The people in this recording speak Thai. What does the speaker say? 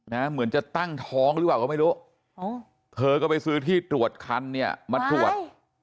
เหมือนจะตั้งท้องหรือเปล่าก็ไม่รู้เธอก็ไปซื้อที่ตรวจคันเนี่ยมาตรวจ